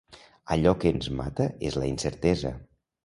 “Allò que ens mata és la incertesa”